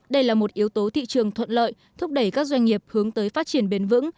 đây là một yếu tố thị trường thuận lợi thúc đẩy các doanh nghiệp hướng tới phát triển bền vững